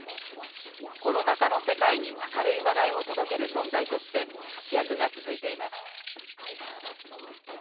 コロナ禍の世界に明るい話題を届ける存在として活躍が続いています。